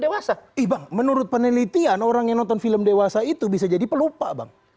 dewasa ih bang menurut penelitian orang yang nonton film dewasa itu bisa jadi pelupa bang